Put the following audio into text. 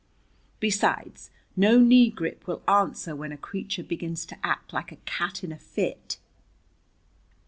Besides, no knee grip will answer when a creature begins to act like a cat in a fit."